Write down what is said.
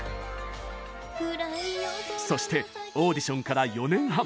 そしてオーディションから４年半。